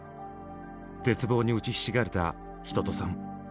絶望に打ちひしがれた一青さん。